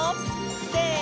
せの！